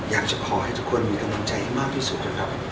อยากจะขอให้ทุกคนมีกำลังใจให้มากที่สุดนะครับ